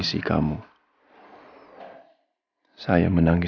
yes kita menang